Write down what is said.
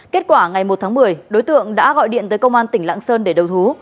kết quả ngày một tháng một mươi đối tượng đã gọi điện tới công an tỉnh lạng sơn để đầu thú